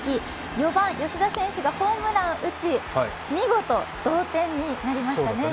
４番・吉田選手がホームランを打ち、見事同点になりましたね。